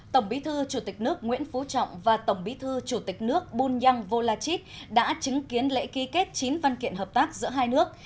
tổng bí thư chủ tịch nước nguyễn phú trọng và tổng bí thư chủ tịch nước bunyang volachit đã chứng kiến lễ ký kết chín văn kiện hợp tác giữa hai nước